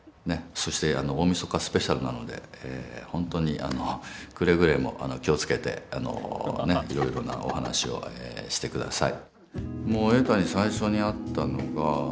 そして「大みそかスペシャル」なので本当に、くれぐれも気をつけていろいろなお話をしてください。